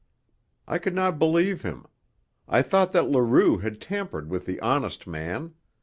I could not believe him. I thought that Leroux had tampered with the honest man.